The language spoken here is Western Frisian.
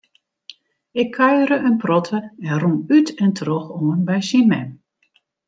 Ik kuiere in protte en rûn út en troch oan by syn mem.